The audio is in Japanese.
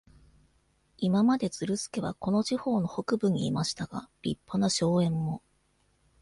今まで、ズルスケはこの地方の北部にいましたが、立派な荘園も、